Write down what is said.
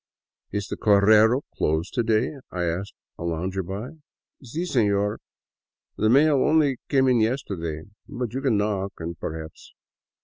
" Is the correo closed to day ?" I asked a lounger by. " Si, seiior, the mails only came in yesterday. But you can knock and perhaps.